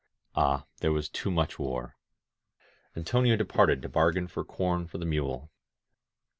Ah, there was too much war ! Antonio departed to bargain for com for the mule.